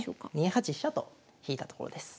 ２八飛車と引いたところです。